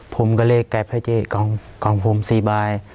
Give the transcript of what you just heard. ผมก็เลยเก็บให้เจ๊กลองโฟม๔บาท